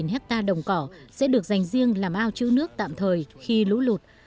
hai mươi năm hectare đồng cỏ sẽ được dành riêng làm ao chữ nước tạm thời khi lũ lụt